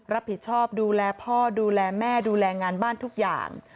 รับผิดชอบดูแลพ่อดูแลแม่ดูแลงานบ้านทุกอย่าง